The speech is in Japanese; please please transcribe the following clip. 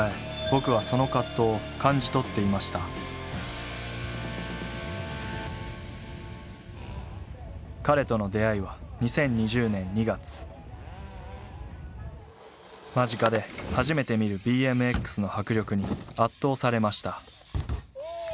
僕はその葛藤を感じ取っていました彼との出会いは間近で初めて見るＢＭＸの迫力に圧倒されました